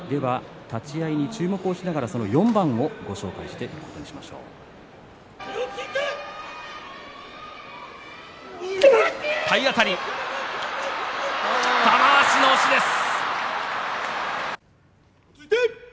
立ち合いに注目しながら４番をご紹介します。